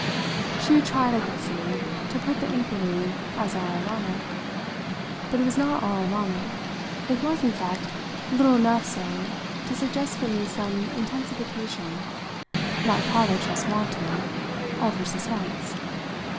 She had tried, I could see, to put the inquiry as all ironic. But it was not all ironic; it was, in fact, little enough so to suggest for me some intensification not quite, I trust, wanton of her suspense.